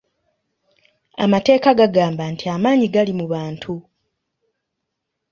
Amateeka gagamba nti amaanyi gali mu bantu.